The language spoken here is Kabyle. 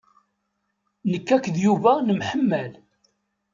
Nekk akked Yuba nemḥemmal.